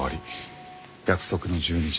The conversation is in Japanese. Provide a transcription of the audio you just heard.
約束の１２時だ。